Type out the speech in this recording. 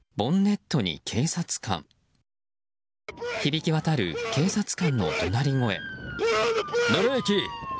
響き渡る警察官の怒鳴り声。